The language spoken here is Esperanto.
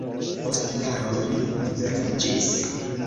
Post jaroj li liberiĝis.